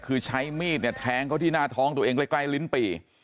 คือใช้มีดเนี่ยแทงเขาที่หน้าท้องตัวเองใกล้ลิ้นปี่